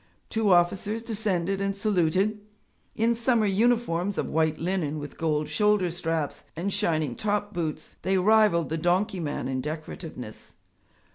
Two officers descended and saluted. In summer uniforms of white linen with gold shoulder straps, and shining top boots, they rivalled the donkey man in decorativeness.